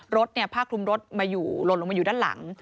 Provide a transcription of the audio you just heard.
รถภาคลุมรถลดลงมาอยู่ด้านหลัง